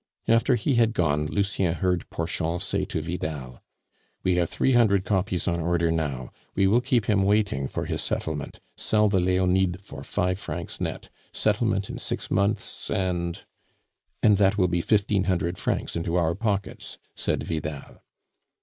After he had gone, Lucien heard Porchon say to Vidal: "We have three hundred copies on order now. We will keep him waiting for his settlement, sell the Leonides for five francs net, settlement in six months, and " "And that will be fifteen hundred francs into our pockets," said Vidal.